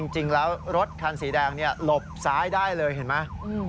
จริงแล้วรถคันสีแดงหลบซ้ายได้เลยเห็นไหม